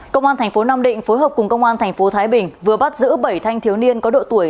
công an thành phố nam định phối hợp cùng công an tp thái bình vừa bắt giữ bảy thanh thiếu niên có độ tuổi